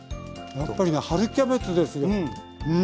やっぱりね春キャベツですようん。